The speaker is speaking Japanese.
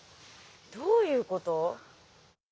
どういうこと？